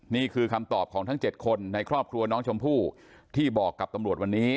นี่คือคำตอบของทั้ง๗คนในครอบครัวน้องชมพู่ที่บอกกับตำรวจวันนี้